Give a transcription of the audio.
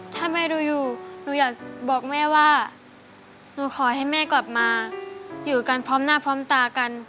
ถ้าแม่ดูอยู่หนูอยากบอกแม่ว่าหนูขอให้แม่กลับมาอยู่กันพร้อมหน้าพร้อมตากัน